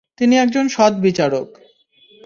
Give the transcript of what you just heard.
তিনি একজন সৎ বিচারক।